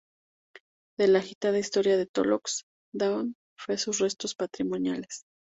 De la agitada historia de Tolox dan fe sus restos patrimoniales.